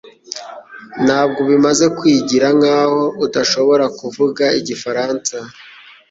Ntabwo bimaze kwigira nkaho udashobora kuvuga igifaransa